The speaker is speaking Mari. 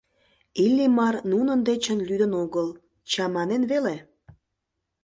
Иллимар нунын дечын лӱдын огыл, чаманен веле.